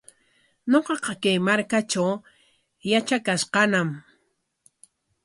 Ñuqaqa kay markatraw yatrakash kaañam.